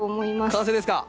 完成ですか？